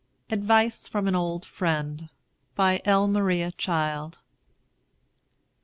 ADVICE FROM AN OLD FRIEND. BY L. MARIA CHILD.